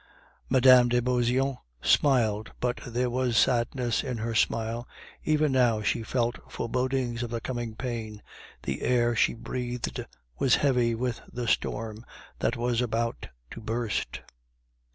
Mme. de Beauseant smiled but there was sadness in her smile; even now she felt forebodings of the coming pain, the air she breathed was heavy with the storm that was about to burst.